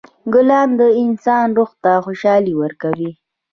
ګلان د انسان روح ته خوشحالي ورکوي.